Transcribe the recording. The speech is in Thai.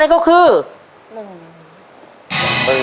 หนึ่งหมื่น